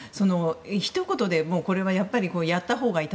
ひと言で、これはやっぱりやったほうがいい。